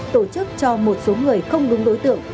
tổ chức cho một số người không đúng đối tượng